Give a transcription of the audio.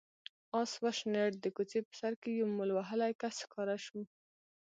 آس وشڼېد، د کوڅې په سر کې يو مول وهلی کس ښکاره شو.